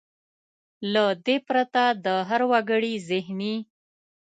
له دې پرته د هر وګړي زهني .